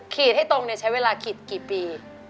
ให้ตรงใช้เวลาขีดกี่ปี